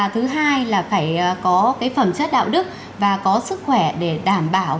thứ hai là phải có phẩm chất đạo đức và có sức khỏe để đảm bảo